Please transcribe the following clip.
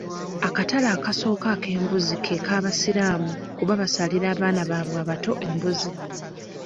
Akatale akasooka ak'embuzi ke k'abasiraamu kuba basalira abaana babwe abato embuzi.